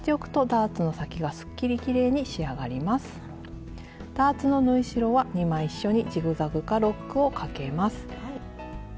ダーツの縫い代は２枚一緒にジグザグかロックをかけます。